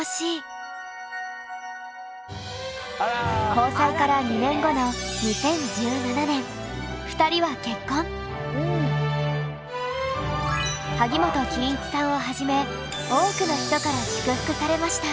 交際から２年後の萩本欽一さんをはじめ多くの人から祝福されました。